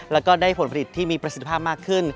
แล้วก็ได้ผลผลิตที่มีประสิทธิภาพมากขึ้น